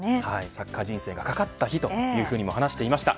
サッカー人生がかかった日というふうにも話していました。